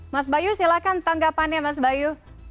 mas bayu silakan tanggapannya mas bayu